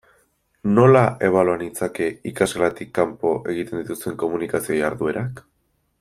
Nola ebalua nitzake ikasgelatik kanpo egiten dituzuen komunikazio jarduerak?